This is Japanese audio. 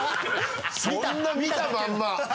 そんな見たまんま。